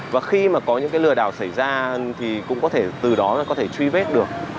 và khi mà có những cái lừa đảo xảy ra thì cũng có thể từ đó là có thể truy vết được